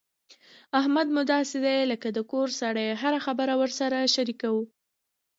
احمد مو داسې دی لکه د کور سړی هره خبره ورسره شریکوو.